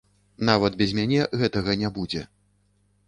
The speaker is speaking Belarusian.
Нават без мяне гэтага не будзе.